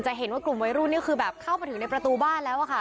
เห็นว่ากลุ่มวัยรุ่นนี่คือแบบเข้ามาถึงในประตูบ้านแล้วอะค่ะ